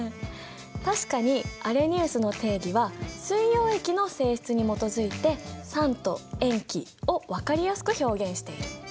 確かにアレニウスの定義は水溶液の性質に基づいて酸と塩基を分かりやすく表現している。